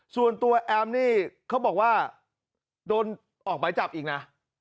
แอมนี่เขาบอกว่าโดนออกหมายจับอีกนะ